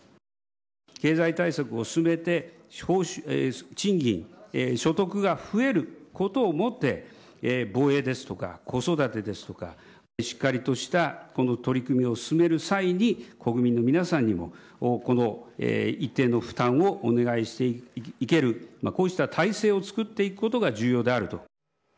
経済対策を進めて賃金、所得が増えることをもって、防衛ですとか、子育てですとか、しっかりとしたこの取り組みを進める際に、国民の皆さんにもこの一定の負担をお願いしていける、こうした体制を作っていくことが重要であると。